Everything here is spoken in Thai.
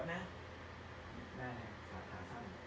นั่นแหละสาธารณ์สร้าง